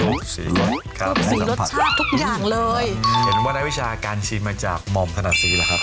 รสครับทุกอย่างเลยเห็นว่าได้วิชาการชิมมาจากโหมมธนสิหรอครับ